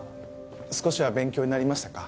少しは勉強になりましたか？